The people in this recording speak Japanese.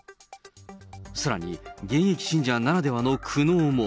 さらに、現役信者ならではの苦悩も。